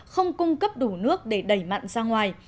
không cung cấp đủ nước để đẩy mặn ra ngoài